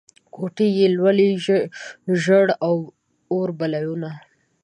ګوتې یې لولي ژړ اوربلونه